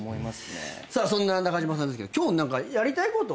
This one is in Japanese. そんな中島さんですけど今日何かやりたいこと？